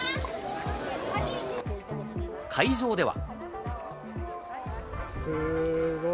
会場では。